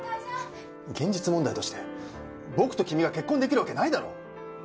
現実問題として僕と君が結婚できるわけないだろう！